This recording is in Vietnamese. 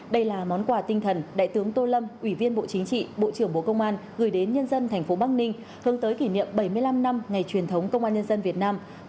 đây là món quà tinh thần đại tướng tô lâm ủy viên bộ chính trị bộ trưởng bộ công an gửi đến nhân dân thành phố bắc ninh hướng tới kỷ niệm bảy mươi năm năm ngày truyền thống công an nhân dân việt nam